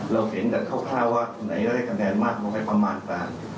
เราเห็นแต่คร่าวคร่าวว่าไหนได้คะแดนมากมันไม่ประมาณกัน